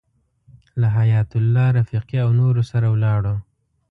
له حیایت الله رفیقي او نورو سره ولاړو.